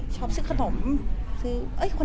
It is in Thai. ชอบซื้อขนมค